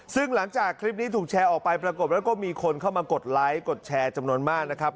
ซึ่งหลังจากคลิปนี้ถูกแชร์ออกไปปรากฏแล้วก็มีคนเข้ามากดไลค์กดแชร์จำนวนมากนะครับ